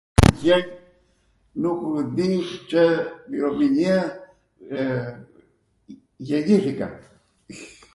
Nukw dii Cw imeriminia γεννήθηκα.